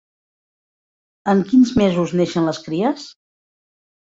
En quins mesos neixen les cries?